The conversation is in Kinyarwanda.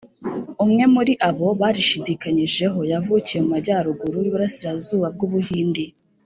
umwe muri abo barishidikanyijeho yavukiye mu majyaruguru y’uburasirazuba bw’u buhindi